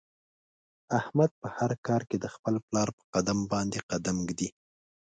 احمد په هر کار کې د خپل پلار په قدم باندې قدم ږدي.